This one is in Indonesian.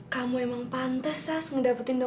kamu memang pantas sas ngedeserkan aku ya